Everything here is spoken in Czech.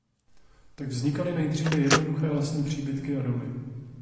Tak vznikaly nejdříve jednoduché lesní příbytky a domy.